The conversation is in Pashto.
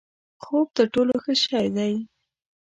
خوب تر ټولو ښه شی دی؛